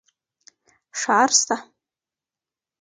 ښار سته.